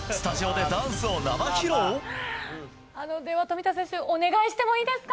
では富田選手、お願いしてもいいですか？